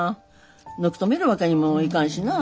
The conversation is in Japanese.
のくとめるわけにもいかんしな。